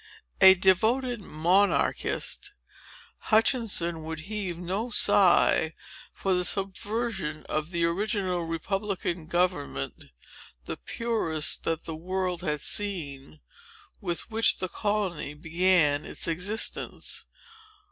A devoted monarchist, Hutchinson would heave no sigh for the subversion of the original republican government, the purest that the world had seen, with which the colony began its existence.